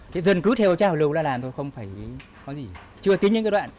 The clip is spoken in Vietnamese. thế dân cứ theo chào lưu ra làm thôi không phải có gì chưa tính những cái đoạn